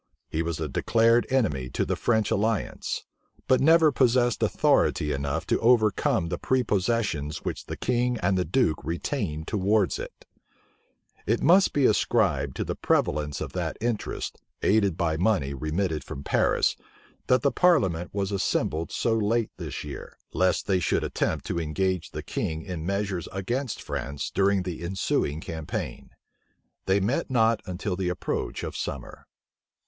He was a declared enemy to the French alliance; but never possessed authority enough to overcome the prepossessions which the king and the duke retained towards it*[missing period] It must be ascribed to the prevalence of that interest, aided by money remitted from Paris, that the parliament was assembled so late this year, lest they should attempt to engage the king in measures against France during the ensuing campaign. They met not till the approach of summer.